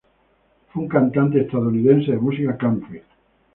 Fue un cantante estadounidense de música country.